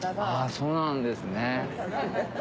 そうなんですね。